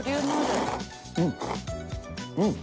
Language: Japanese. うん。